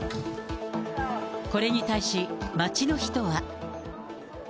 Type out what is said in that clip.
これに対し、街の人は。